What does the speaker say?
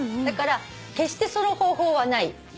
だから決してその方法はない。